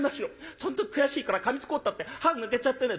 その時悔しいからかみつこうったって歯抜けちゃってね